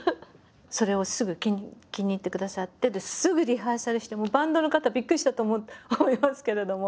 それをすぐ気に入ってくださってすぐリハーサルしてバンドの方びっくりしたと思いますけれども。